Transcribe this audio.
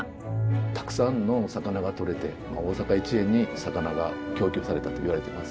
たくさんの魚が取れてまあ大阪一円に魚が供給されたといわれています。